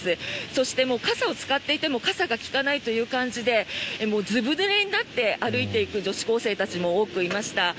そして、傘を使っていても傘が利かないという感じでずぶぬれになって歩いていく女子高生たちも多くいました。